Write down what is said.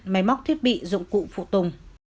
máy móc thiết bị dụng cụ phụ tùng